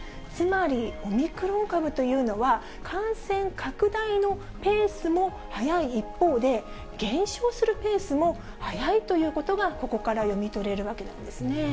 つまり、オミクロン株というのは、感染拡大のペースも速い一方で、減少するペースも速いということが、ここから読み取れるわけなんですね。